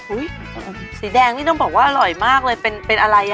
สีแดงนี่ต้องบอกว่าอร่อยมากเลยเป็นอะไรอ่ะ